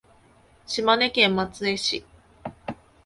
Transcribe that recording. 島根県松江市